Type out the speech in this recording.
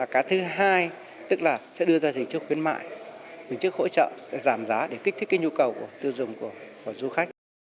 cái thứ hai tức là sẽ đưa ra dịch chức khuyến mại dịch chức hỗ trợ giảm giá để kích thích cái nhu cầu của tiêu dùng của du khách